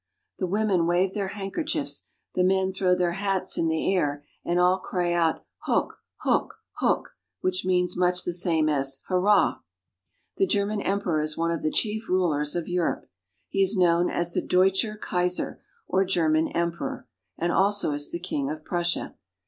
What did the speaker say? The women wave their handkerchiefs, the men throw their hats into the air, and all cry out Hoch ! Hoch ! Hoch ! which means much the same as " Hurrah !" The German emperor is one of the chief rulers of Europe. He is known as the Deutscher Kaiser, or Ger man Emperor, and also as the King of Prussia.